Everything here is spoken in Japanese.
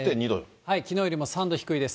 きのうよりも３度低いです。